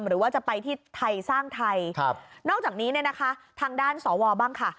หรือว่าจะไปที่ไทยสร้างไทยครับนอกจากนี้เนี่ยนะคะทางด้านสวบ้างค่ะ